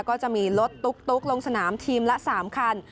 ก็จะมีรถตุ๊กลงสนามทีมละ๓คัน